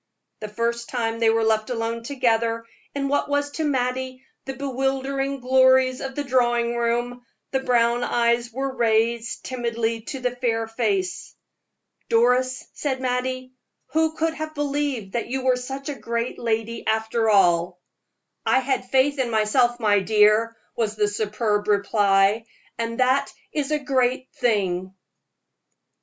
The first time they were left alone together in what was to Mattie the bewildering glories of the drawing room, the brown eyes were raised timidly to the fair face. "Doris," said Mattie, "who could have believed that you were such a great lady after all?" "I had faith in myself, my dear," was the superb reply, "and that is a great thing!"